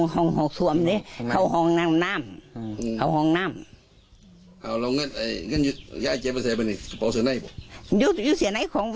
พ่อทางเลี่ยง